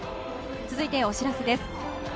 続いて、お知らせです。